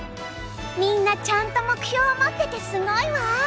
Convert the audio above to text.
みんなちゃんと目標を持っててすごいわ。